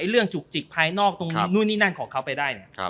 เรื่องจุกจิกภายนอกตรงนู้นนี่นั่นของเขาไปได้